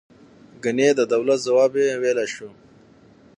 ګنې د دولت ځواب یې ویلای شو.